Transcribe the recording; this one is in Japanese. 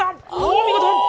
お見事！